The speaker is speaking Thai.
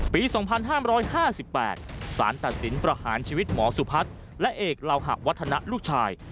ปี๒๕๕๘สารตัดสินประหารชีวิตหมอสุพัฒน์และเอกลาวหะวัฒนะลูกชาย